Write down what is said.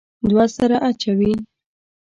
دوه سره اچوي.